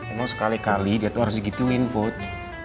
emang sekali kali dia tuh harus digituin put